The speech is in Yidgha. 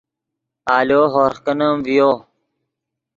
آلو ہورغ کینیم ڤیو